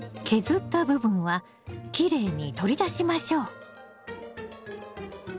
削った部分はきれいに取り出しましょう。